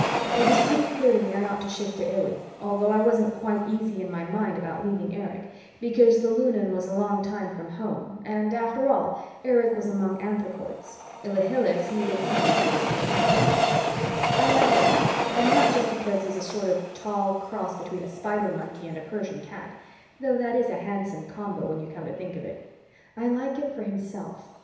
It was pretty clear to me I ought to shift to Illy, although I wasn't quite easy in my mind about leaving Erich, because the Lunan was a long time from home and, after all, Erich was among anthropoids. Ilhilihis needed someone who was simpatico. I like Illy and not just because he is a sort of tall cross between a spider monkey and a persian cat though that is a handsome combo when you come to think of it. I like him for himself.